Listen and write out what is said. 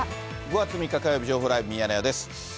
５月３日火曜日、情報ライブミヤネ屋です。